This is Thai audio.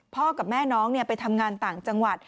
กับแม่น้องไปทำงานต่างจังหวัด